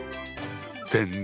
全然！